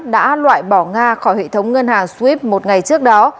đã loại bỏ nga khỏi hệ thống ngân hàng sreap một ngày trước đó